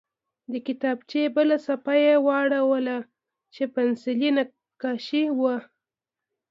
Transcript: د کتابچې بله صفحه یې واړوله چې پنسلي نقاشي وه